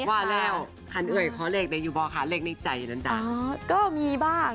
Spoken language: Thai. ว่าแล้วครันเอ่ยเขาเลขในยูบอลละคะเลขในใจด้านจ้าง